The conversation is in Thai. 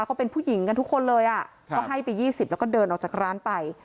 เขาเป็นผู้หญิงกันทุกคนเลยอ่ะก็ให้ไป๒๐แล้วก็เดินออกจากร้านไป